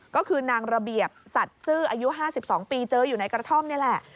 ก็คือนางระเบียบสัตว์ซื่ออายุ๕๒ปีเจออยู่ในกระท่อมนี่แหละ